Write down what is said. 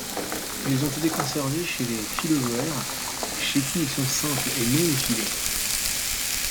Ils ont été conservés chez les filozoaires, chez qui ils sont simples et non-effilés.